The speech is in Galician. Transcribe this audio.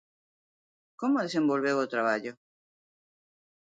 Como desenvolveu o traballo?